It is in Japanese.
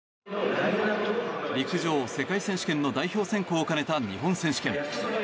陸上世界選手権の代表選考を兼ねた日本選手権。